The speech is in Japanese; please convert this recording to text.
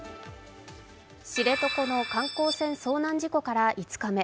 知床の観光船遭難事故から５日目。